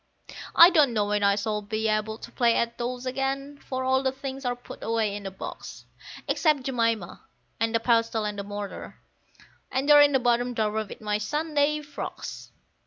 I don't know when I shall be able to play at dolls again, for all the things are put away in a box; Except Jemima and the pestle and mortar, and they're in the bottom drawer with my Sunday frocks.